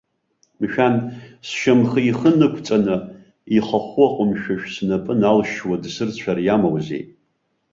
Мшәан, сшьамхы ихы нықәҵаны, ихахәы ҟәымшәышә снапы налшьуа дсырцәар иамоузеи.